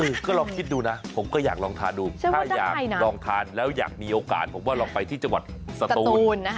ก็ลองคิดดูนะผมก็อยากลองทานดูถ้าอยากลองทานแล้วอยากมีโอกาสผมว่าลองไปที่จังหวัดสตูน